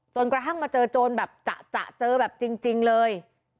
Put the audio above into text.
กระทั่งมาเจอโจรแบบจะเจอแบบจริงเลย